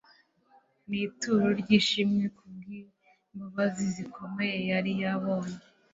n’ituro ry’ishimwe ku bw’imbabazi zikomeye yari yabonye